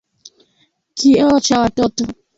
Kioo cha watoto.